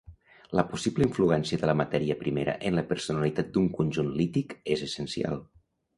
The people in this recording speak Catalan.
La possible influència de la matèria primera en la personalitat d'un conjunt lític és essencial.